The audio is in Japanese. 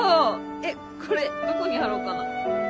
えっこれどこに貼ろうかな。